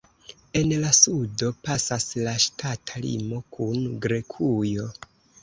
En la sudo pasas la ŝtata limo kun Grekujo.